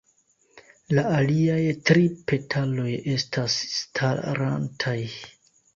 La aliaj tri petaloj estas starantaj.